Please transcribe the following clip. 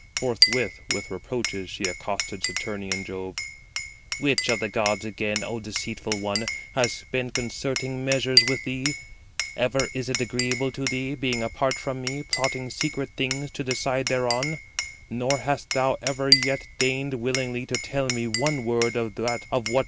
Forthwith with reproaches she accosted Saturnian Jove: "Which of the gods again, O deceitful one, has been concerting measures with thee? Ever is it agreeable to thee, being apart from me, plotting secret things, to decide thereon; nor hast thou ever yet deigned willingly to tell me one word of what thou dost meditate."